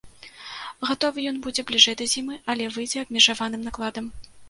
Гатовы ён будзе бліжэй да зімы, але выйдзе абмежаваным накладам.